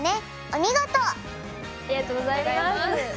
ありがとうございます。